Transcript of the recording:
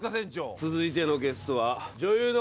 続いてのゲストは女優の。